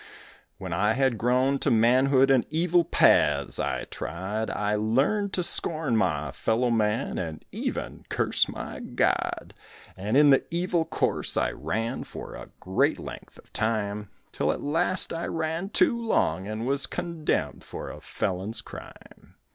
When I had grown to manhood and evil paths I trod, I learned to scorn my fellow man and even curse my God; And in the evil course I ran for a great length of time Till at last I ran too long and was condemned for a felon's crime.